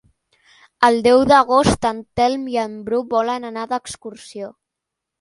El deu d'agost en Telm i en Bru volen anar d'excursió.